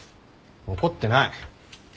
怒ってない。